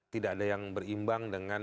tidak ada yang berimbang dengan